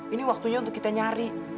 ini waktunya untuk kita nyari